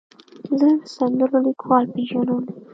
زه د سندرو لیکوال پیژنم.